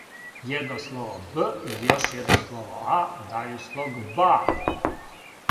једно слово б, и још једно слово а, дају слог ба.